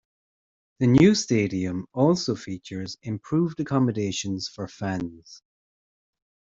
The new stadium also features improved accommodations for fans.